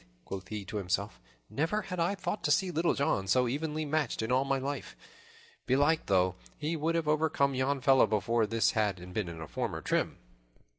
quoth he to himself, "never had I thought to see Little John so evenly matched in all my life. Belike, though, he would have overcome yon fellow before this had he been in his former trim."